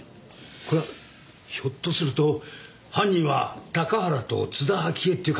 これはひょっとすると犯人は高原と津田明江っていう可能性もありますね。